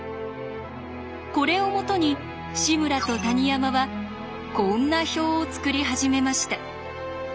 これを基に志村と谷山はこんな表を作り始めました。